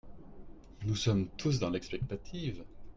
Nous sommes tous dans l’expectative.